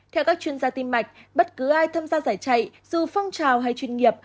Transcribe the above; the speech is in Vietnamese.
theo các chuyên gia tim mạch bất cứ ai tham gia giải chạy dù phong trào hay chuyên nghiệp